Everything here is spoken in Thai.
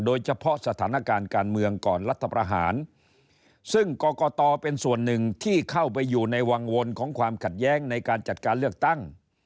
โดยเฉพาะสถานการณ์การเมืองก่อนรัฐประหารซึ่งกรกตเป็นส่วนหนึ่งที่เข้าไปอยู่ในวังวลของความขัดแย้งในการจัดการเลือกตั้ง